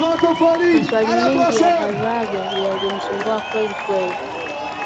Mwaswali mengi ya balagha yalimsumbua kwelikweli